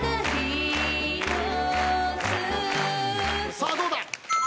さあどうだ？